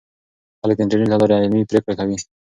خلک د انټرنیټ له لارې علمي پریکړې کوي.